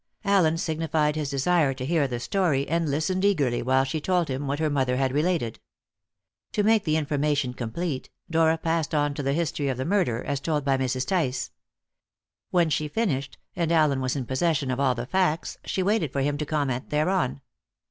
Allen signified his desire to hear the story, and listened eagerly while she told him what her mother had related. To make the information complete, Dora passed on to the history of the murder, as told by Mrs. Tice. When she finished, and Allen was in possession of all the facts, she waited for him to comment thereon.